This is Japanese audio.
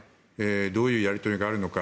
どういうやり取りがあるのか